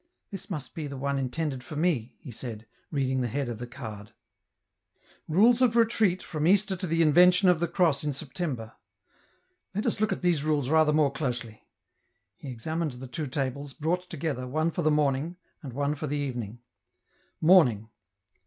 " This must be the one intended for me," he said, reading the head of the card :— Rules of Retreat from Easter to the Invention of the Cross in September. Let us look at these rules rather more closely. He examined the two tables, brought together, one for the morning, and one for the evening. Morning.